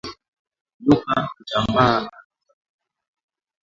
Nyoka hutambaa ardhini